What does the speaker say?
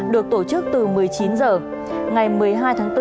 được tổ chức từ một mươi chín h ngày một mươi hai tháng bốn